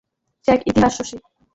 সে এক ইতিহাস শশী।